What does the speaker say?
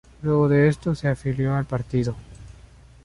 Luego de esto, se afilió al partido.